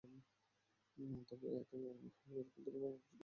তবে এ মতবিরোধ ক্ষুদ্র ক্ষুদ্র এবং অপ্রসিদ্ধ ঘটনায় গিয়ে প্রকাশিত হবে মাত্র।